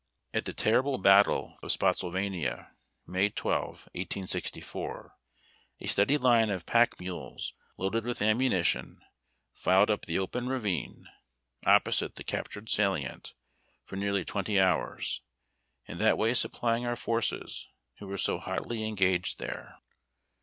At the terrible battle of Spottsylvania, May 12, 1864, a steady line of pack mules, loaded with ammunition, filed up the open ravine, opposite the captured salient, for nearly twenty hours, in that way supplying our forces, who were so hotly engaged there.